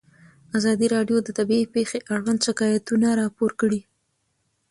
ازادي راډیو د طبیعي پېښې اړوند شکایتونه راپور کړي.